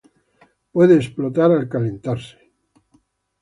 Puede explotar al calentarse.